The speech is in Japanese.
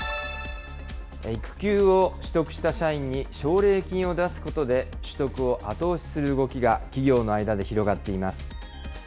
育休を取得した社員に奨励金を出すことで、取得を後押しする動きが企業の間で広がっています。